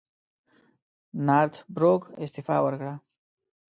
نارت بروک استعفی وکړه.